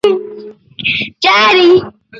Are you not of more value than they?